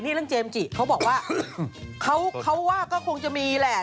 นี่เรื่องเจมส์จิเขาบอกว่าเขาว่าก็คงจะมีแหละ